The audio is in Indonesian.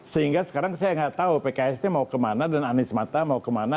sehingga sekarang saya nggak tahu pks ini mau kemana dan anies mata mau kemana